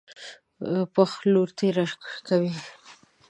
پښ لور تېره کوي.